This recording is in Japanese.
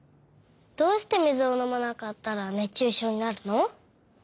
どうしてみずをのまなかったら熱中症になるの？